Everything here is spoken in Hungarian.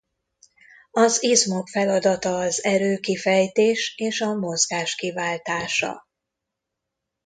Az izmok feladata az erőkifejtés és a mozgás kiváltása.